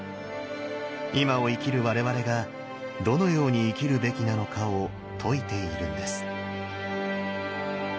今を生きる我々がどのように生きるべきなのかを説いているんです。